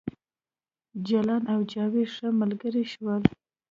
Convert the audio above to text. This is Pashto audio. جلان او جاوید ښه ملګري شول